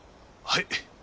はい？